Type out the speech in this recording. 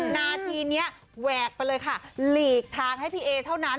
นาทีนี้แหวกไปเลยค่ะหลีกทางให้พี่เอเท่านั้น